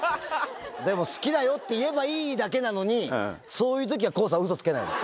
でも好きだよって言えばいいだけなのに、そういうときは康さん、うそつけないの。